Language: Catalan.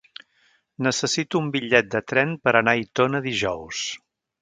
Necessito un bitllet de tren per anar a Aitona dijous.